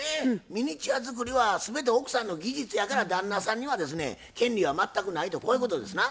ミニチュア作りは全て奥さんの技術やから旦那さんにはですね権利は全くないとこういうことですな？